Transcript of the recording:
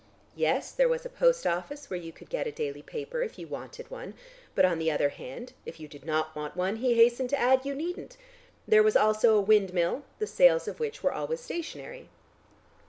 Yes, there was a post office where you could get a daily paper if you wanted one, but on the other hand if you did not want one, he hastened to add, you needn't; there was also a windmill, the sails of which were always stationary.